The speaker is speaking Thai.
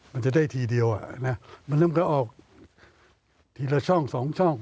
มันจะได้ทีเดียวมันนำเขาออกทีละช่องสองช่อง